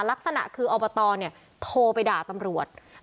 ลักษณะคืออบตโทรไปด่าตำรวจ